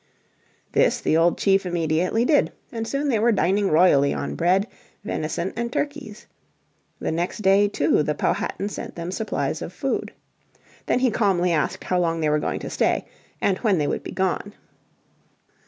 This the old chief immediately did, and soon they were dining royally on bread, venison and turkeys. The next day, too, the Powhatan sent them supplies of food. Then he calmly asked how long they were going to stay, and when they would be gone.